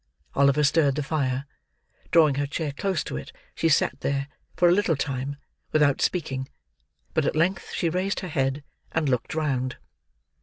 Oliver stirred the fire. Drawing her chair close to it, she sat there, for a little time, without speaking; but at length she raised her head, and looked round.